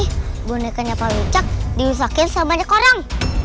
ya mi bonekanya pak wicak diusakin sama banyak orang